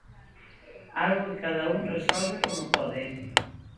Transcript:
Algo que cada un resolve como pode.